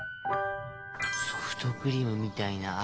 ソフトクリームみたいなアイス。